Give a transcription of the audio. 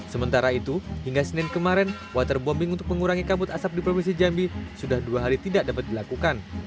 sementara itu hingga senin kemarin waterbombing untuk mengurangi kabut asap di provinsi jambi sudah dua hari tidak dapat dilakukan